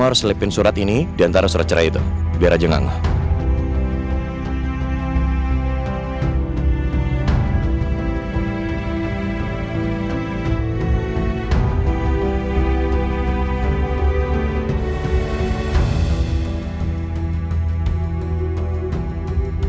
harus lipin surat ini diantara surat cerai itu biar aja nggak nganggur